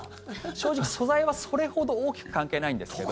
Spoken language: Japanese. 正直、素材はそれほど大きく関係ないんですけど